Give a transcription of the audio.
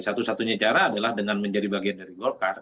satu satunya cara adalah dengan menjadi bagian dari golkar